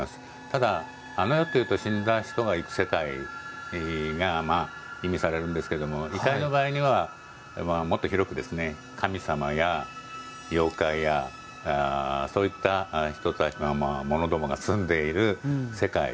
ただ、あの世というと死んだ人が行く世界を意味されるんですけど異界の場合にはもっと広く、神様や妖怪やそういった者どもがすんでいる世界。